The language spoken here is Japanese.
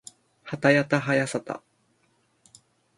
はたやたはやさた